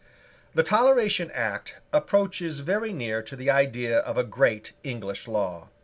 The Toleration Act approaches very near to the idea of a great English law.